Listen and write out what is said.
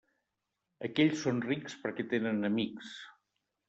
Aquells són rics, perquè tenen amics.